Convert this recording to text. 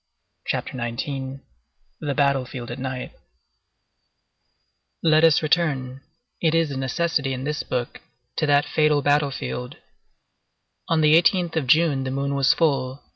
CHAPTER XIX—THE BATTLE FIELD AT NIGHT Let us return—it is a necessity in this book—to that fatal battle field. On the 18th of June the moon was full.